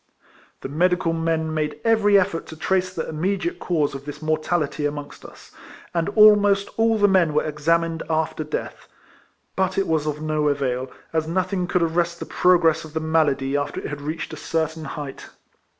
The medical men made every effort to trace the immediate cause of this mortality amongst us; and almost all the men were examined after death ; but it was of no avail, as nothing could arrest the progress of the malady after it had reached a certain height.